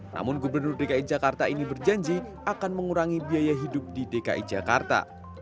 namun gubernur dki jakarta ini berjanji akan mengurangi biaya hidup di dki jakarta